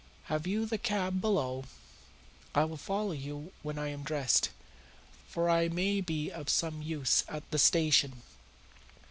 Have you the cab below? I will follow you when I am dressed, for I may be of some use at the station.